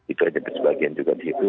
itu saja bersebagian juga di situ